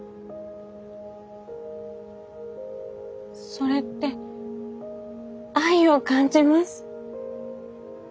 それって愛を感じます。